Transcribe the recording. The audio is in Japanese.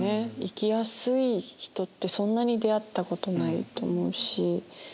生きやすい人ってそんなに出会ったことないと思うし。